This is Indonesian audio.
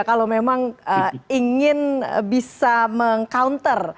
kalau memang ingin bisa meng counter